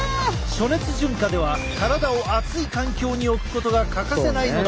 暑熱順化では体を暑い環境に置くことが欠かせないのだ。